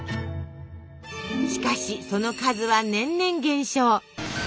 しかしその数は年々減少。